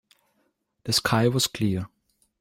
The sky was clear.